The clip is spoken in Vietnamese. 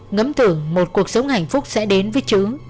ngấm tưởng một cuộc sống hạnh phúc sẽ đến với trứ